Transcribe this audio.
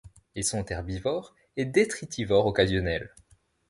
Ils sont herbivores et détritivores occasionnels.